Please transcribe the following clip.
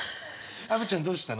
アヴちゃんどうしたの？